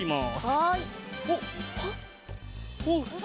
はい。